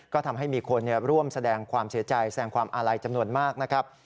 ก็ทำให้มีคนร่วมแสดงความเสียใจแสงความอาลัยจำนวนมากนะครับ